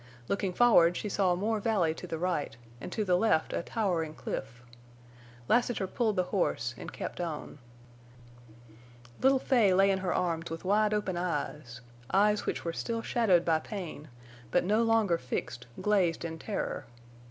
Looking forward, she saw more valley to the right, and to the left a towering cliff. Lassiter pulled the horse and kept on. Little Fay lay in her arms with wide open eyes—eyes which were still shadowed by pain, but no longer fixed, glazed in terror.